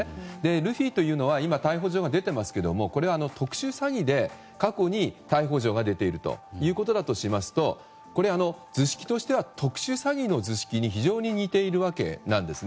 ルフィというのは逮捕状が今出ていますが特殊詐欺で過去に逮捕状が出ているということだとしますとこれは図式としては特殊詐欺の図式に非常に似ているわけです。